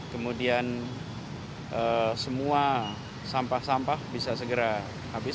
kemudian semua sampah sampah bisa segera habis